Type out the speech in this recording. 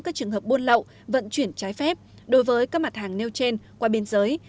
các trường hợp buôn lậu vận chuyển trái phép đối với các mặt hàng nêu trên qua biên giới